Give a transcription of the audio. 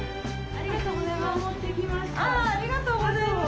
ありがとうございます。